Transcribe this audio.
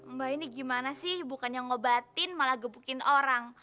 mbak ini gimana sih bukannya ngobatin malah gebukin orang